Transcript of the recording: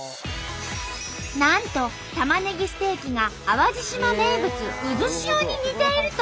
なんとたまねぎステーキが淡路島名物「渦潮」に似ていると話題に。